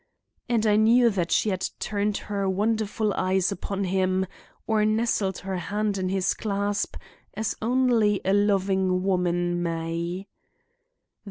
and I knew that she had turned her wonderful eyes upon him or nestled her hand in his clasp as only a loving woman may.